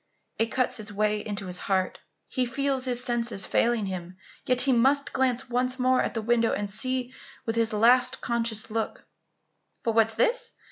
It cuts its way into his heart. He feels his senses failing him, yet he must glance once more at the window and see with his last conscious look But what is this!